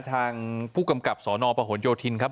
ทางผู้กำกับสปโยธินครับ